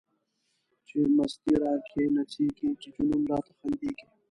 چی مستی را کی نڅیږی، چی جنون راته خندیږی